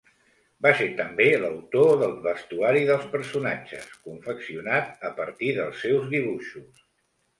Va ser també l'autor del vestuari dels personatges, confeccionat a partir dels seus dibuixos.